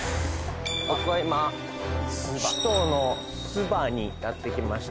僕は今首都のスバにやって来ました